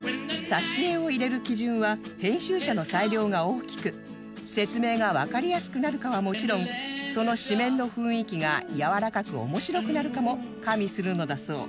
挿絵を入れる基準は編集者の裁量が大きく説明がわかりやすくなるかはもちろんその紙面の雰囲気がやわらかく面白くなるかも加味するのだそう